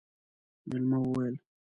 مېلمه وويل: